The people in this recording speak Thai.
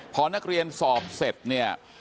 พอนักเรียนสอบเสร็จเนี่ย